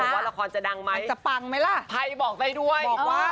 ว่าละครจะดังไหมไพบอกไปด้วย